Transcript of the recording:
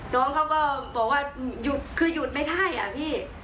น้องเขาก็บอกว่าหยุดคือหยุดไม่ได้อะพี่